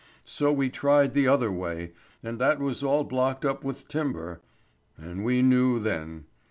So we tried the other way, and that was all blocked up with timber; and we knew then.